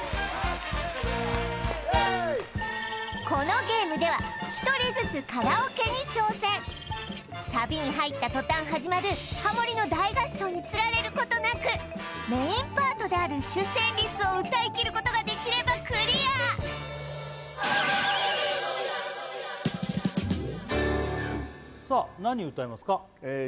このゲームではサビに入ったとたん始まるハモリの大合唱につられることなくメインパートである主旋律を歌いきることができればクリアさあ何歌いますか？